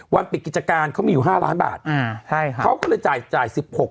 ปิดกิจการเขามีอยู่๕ล้านบาทอ่าใช่ค่ะเขาก็เลยจ่ายจ่ายสิบหก